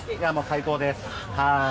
最高です。